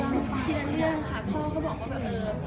ทีละเรื่องค่ะพ่อก็บอกว่า